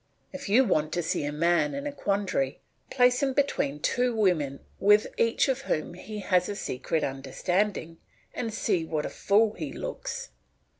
If you want to see a man in a quandary, place him between two women with each of whom he has a secret understanding, and see what a fool he looks.